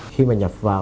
khi mà nhập vào